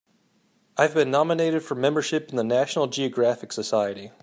I've been nominated for membership in the National Geographic Society.